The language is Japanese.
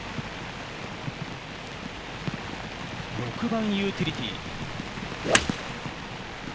６番ユーティリティー。